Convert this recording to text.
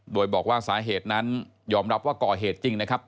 โดยบอกว่าสาเหตุนั้นยอมรับว่าก่อเหตุจริงนะครับ